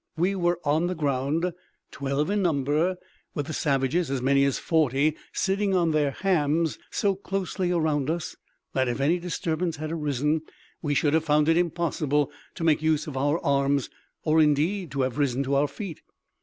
We were on the ground, twelve in number, with the savages, as many as forty, sitting on their hams so closely around us that, if any disturbance had arisen, we should have found it impossible to make use of our arms, or indeed to have risen to our feet.